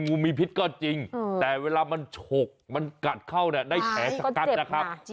งูมีพิษก็จริงกแต่เวลามันชกมันกัดเข้าได้แหน่จริง